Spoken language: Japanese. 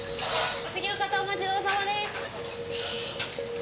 お次の方お待ちどおさまです。